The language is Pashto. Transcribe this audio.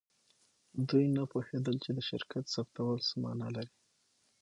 دوی نه پوهیدل چې د شرکت ثبتول څه معنی لري